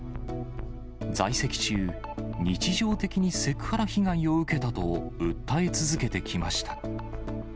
在籍中、日常的にセクハラ被害を受けたと訴え続けてきました。